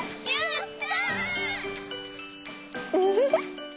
ウフフ。